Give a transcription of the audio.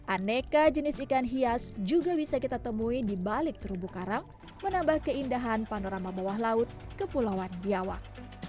aneka jenis ikan hias juga bisa kita temui dibalik terumbu karang menambah keindahan panorama bawah laut ke pulauan biawak